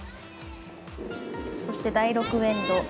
そして第６エンド。